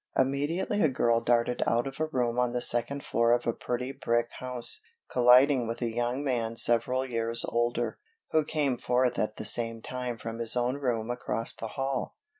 Immediately a girl darted out of a room on the second floor of a pretty brick house, colliding with a young man several years older, who came forth at the same time from his own room across the hall.